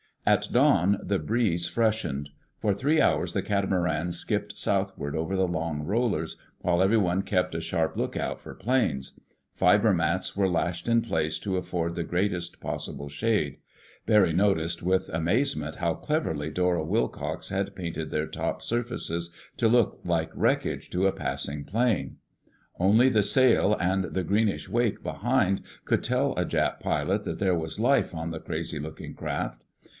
At dawn the breeze freshened. For three hours the catamaran skipped southward over the long rollers, while everyone kept a sharp lookout for planes. Fiber mats were lashed in place to afford the greatest possible shade. Barry noticed with amazement how cleverly Dora Wilcox had painted their top surfaces to look like wreckage to a passing plane. Only the sail and the greenish wake behind could tell a Jap pilot that there was life on the crazy looking craft.